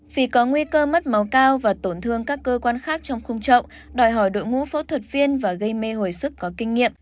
vì có nguy cơ mất máu cao và tổn thương các cơ quan khác trong khung trậu đòi hỏi đội ngũ phẫu thuật viên và gây mê hồi sức có kinh nghiệm